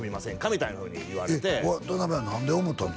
みたいなふうに言われてえっ渡辺は何で思ったん？